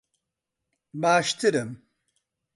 باشترم.